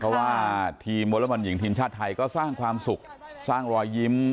เพราะว่าทีมวอเล็กบอลหญิงทีมชาติไทยก็สร้างความสุขสร้างรอยยิ้ม